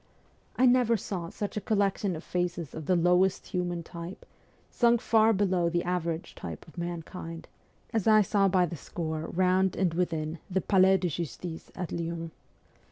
I never saw such a collection of faces of the lowest human type, sunk far below the average type of mankind, as I saw by the score round and within the Palais de Justice at Lyons.